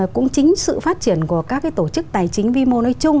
cũng chính sự phát triển của các tổ chức tài chính vi mô nói chung